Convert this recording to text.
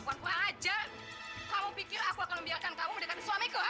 bukan aja kamu pikir aku akan membiarkan kamu mendekati suamiku ha